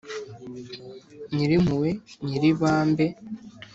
nyir’impuhwe nyir’ibambe